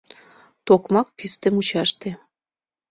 Токмак писте мучаште